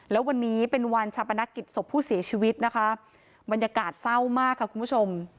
แล้ววันนี้เป็นวันชาปนกิจศพผู้เสียชีวิตนะคะบรรยากาศเศร้ามากค่ะคุณผู้ชม